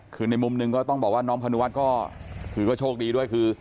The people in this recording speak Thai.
คือในมุมหนึ่งก็ต้องบอกว่าน้องคณุวัสก็โชขดีด้วย